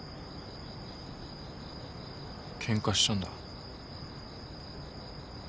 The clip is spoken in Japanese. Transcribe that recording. ケンカしたんだ。